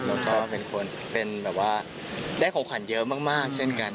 แล้วก็เป็นคนเป็นแบบว่าได้ของขวัญเยอะมากเช่นกัน